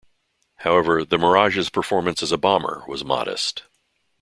However, the Mirage's performance as a bomber was modest.